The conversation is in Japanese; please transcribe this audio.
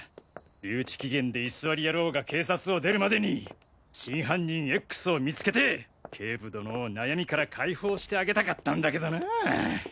留置期限で居座り野郎が警察を出るまでに真犯人Ｘを見つけて警部殿を悩みから解放してあげたかったんだけどなぁ。